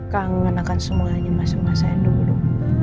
kangen akan semuanya masa masanya dulu